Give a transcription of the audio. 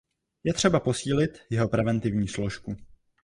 Je třeba posílit jeho preventivní složku.